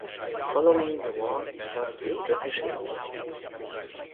Following the war he served in British India.